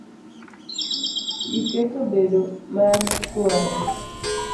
Iketo bedo mar chwore.